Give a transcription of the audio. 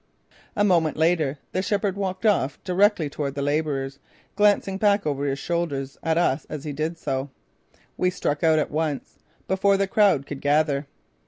A moment later the shepherd walked off directly toward the labourers, glancing back over his shoulder at us as he did so. We struck out at once, before the crowd could gather.